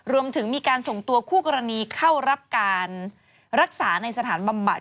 รวมถึงมีการส่งตัวคู่กรณีเข้ารับการรักษาในสถานบำบัด